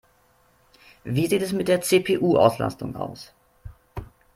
Wie sieht es mit der CPU-Auslastung aus?